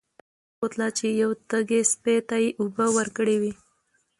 الله جنت ته پدې بوتله چې يو تږي سپي ته ئي اوبه ورکړي وي